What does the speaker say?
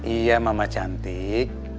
iya mama cantik